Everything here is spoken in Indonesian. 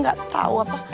gak tau apa